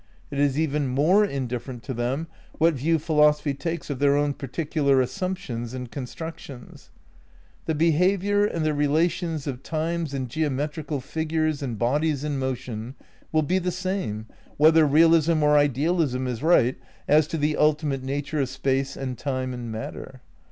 It is even more indiffer ent to them what view philosophy takes of their own particular assumptions and constructions. The be haviour and the relations of numbers and geometrical figures and bodies in motion will be the same whether realism or idealism is right as to the ultimate nature of space and time and matter.